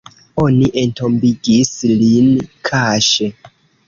Oni entombigis lin kaŝe.